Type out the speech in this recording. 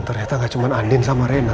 ternyata gak cuma andin sama rena